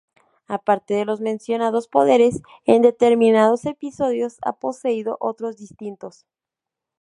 A parte de los mencionados poderes, en determinados episodios ha poseído otros distintos.